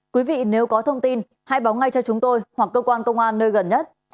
quý vị nếu có thông tin hãy báo ngay cho chúng tôi hoặc cơ quan công an nơi gần nhất